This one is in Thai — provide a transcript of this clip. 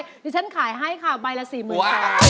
เดี๋ยวฉันขายให้ค่ะใบละ๔๐๐๐บาท